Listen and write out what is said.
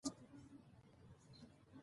هوسا او هما سره خوندي دي.